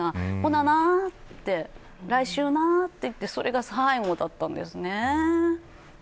ほななって、来週なって言っていたのが最後だったんです。